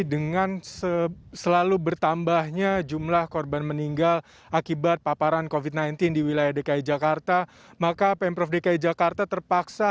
dengan selalu bertambahnya jumlah korban meninggal akibat paparan covid sembilan belas di wilayah dki jakarta